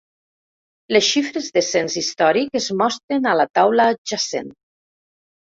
Les xifres de cens històric es mostren a la taula adjacent.